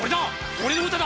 俺の歌だ